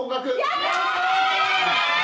やった！